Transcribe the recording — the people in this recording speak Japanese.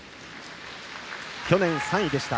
去年３位でした。